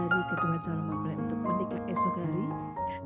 midodareni itu bisa dipercaya